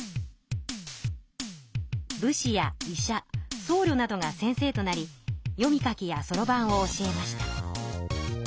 武士や医者そうりょなどが先生となり読み書きやそろばんを教えました。